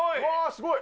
すごい！